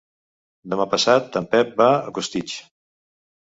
Demà passat en Pep va a Costitx.